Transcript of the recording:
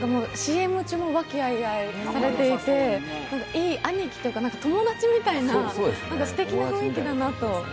ＣＭ中も和気あいあいされていて、いい兄貴というか、友達みたいなすてきな雰囲気だなと。